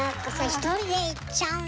１人で行っちゃうんだ。